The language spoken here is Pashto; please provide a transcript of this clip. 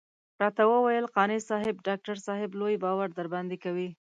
راته وويل قانع صاحب ډاکټر صاحب لوی باور درباندې کوي.